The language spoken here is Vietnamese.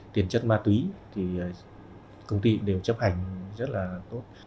tiền chất ma túy thì công ty đều chấp hành rất là tốt